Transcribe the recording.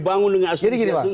jadi gini pak